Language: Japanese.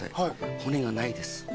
骨がないです。